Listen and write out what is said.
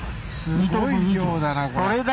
すごい量だなこれ。